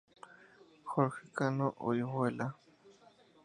Jorge Cano Orihuela